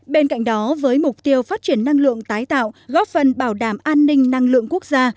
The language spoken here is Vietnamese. bên cạnh đó với mục tiêu phát triển năng lượng tái tạo góp phần bảo đảm an ninh năng lượng quốc gia